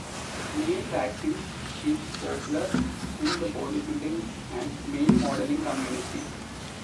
Male waxing is popular in the body building and male modeling community.